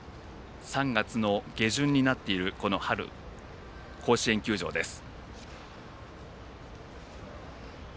３月の下旬になっているこの春、甲子園球場です。